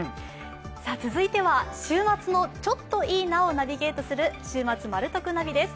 続いては週末のちょっといいなをナビゲートする「週末マル得ナビ」です。